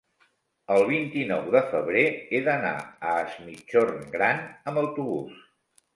El vint-i-nou de febrer he d'anar a Es Migjorn Gran amb autobús.